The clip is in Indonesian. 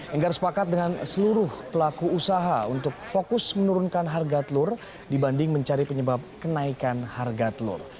enggar sepakat dengan seluruh pelaku usaha untuk fokus menurunkan harga telur dibanding mencari penyebab kenaikan harga telur